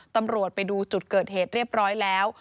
ตำรวจไปดูจุดเกิดเหตุเรียบร้อยแล้ว